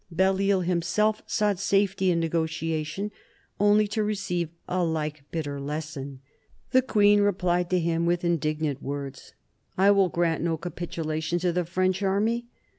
Belle 22 MARIA THERESA ohap. i isle himself sought safety in negotiation, only to receive a like bitter lesson. The queen replied to him with indignant words :" I will grant no capitulation to the French army.